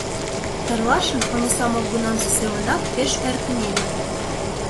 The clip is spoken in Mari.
Эрлашын Ониса молгунамсе семынак пеш эр кынеле.